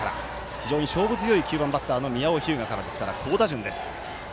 非常に勝負強い９番バッターの宮尾日向からですから好打順です。